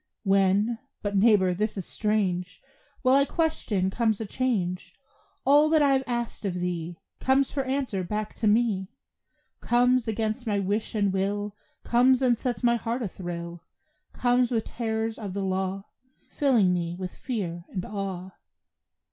When but neighbor, this is strange! While I question comes a change: All that I have asked of thee Comes for answer back to me. Comes, against my wish and will, Comes and sets my heart a thrill; Comes with terrors of the law, Filling me with fear and awe.